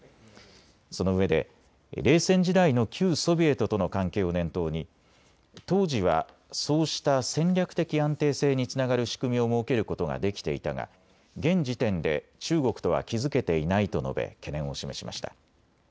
そのうえで冷戦時代の旧ソビエトとの関係を念頭に当時はそうした戦略的安定性につながる仕組みを設けることができていたが現時点で中国とは築けていないと述べ懸念を示しました。